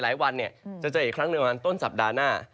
หลายวันจะเจอเหลือวันต้นเวลาซัปดาห์หน้า